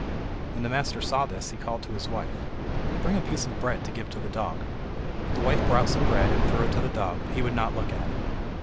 When the master saw this, he called to his wife: "Bring a piece of bread to give to the dog." The wife brought some bread and threw it to the dog, but he would not look at it.